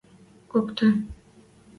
Кокты.